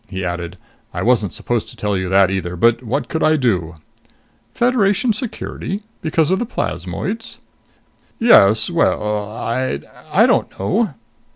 He added, "I wasn't supposed to tell you that either, but what could I do?" "Federation security? Because of the plasmoids?" "Yes.... Well.... I'd I don't know."